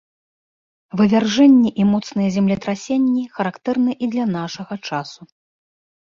Вывяржэнні і моцныя землетрасенні характэрны і для нашага часу.